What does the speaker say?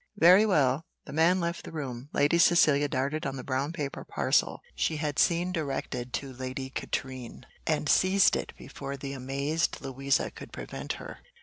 "Very well." The man left the room. Lady Cecilia darted on the brown paper parcel she had seen directed to Lady Katrine, and seized it before the amazed Louisa could prevent her.